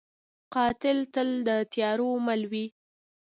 قاتل تل د تیارو مل وي